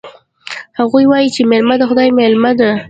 هغوی وایي چې میلمه د خدای مېلمه ده